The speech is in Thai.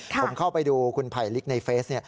ผมเข้าไปดูคุณไผลลิกในเฟซ